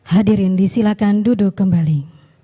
hadirin disilakan duduk kembali